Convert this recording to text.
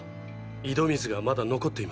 井戸水がまだ残っています。